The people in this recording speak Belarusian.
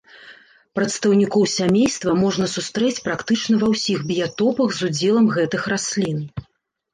Прадстаўнікоў сямейства можна сустрэць практычна ва ўсіх біятопах з удзелам гэтых раслін.